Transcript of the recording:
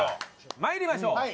参りましょう。